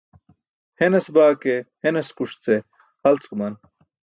Henas baa ke henaskuṣ ce halc̣ guman.